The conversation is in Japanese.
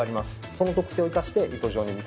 その特性を生かして糸状に見立ててます。